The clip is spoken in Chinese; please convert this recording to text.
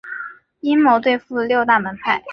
阴谋对付六大门派。